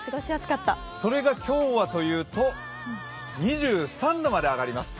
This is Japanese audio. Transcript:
それが今日はというと２３度まで上がります。